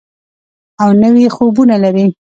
او نوي خوبونه لري.